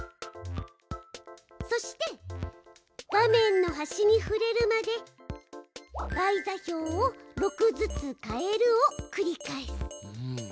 そして画面の端に触れるまで「Ｙ座標を６ずつ変える」を繰り返す。